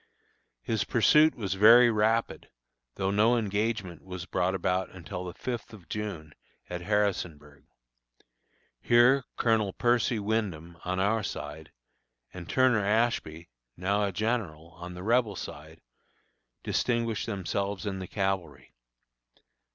His pursuit was very rapid, though no engagement was brought about until the fifth of June, at Harrisonburg. Here Colonel Percy Wyndham, on our side, and Turner Ashby, now a general, on the Rebel side, distinguished themselves in the cavalry.